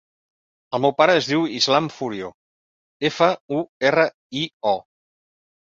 El meu pare es diu Islam Furio: efa, u, erra, i, o.